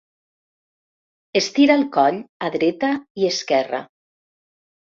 Estira el coll a dreta i esquerra.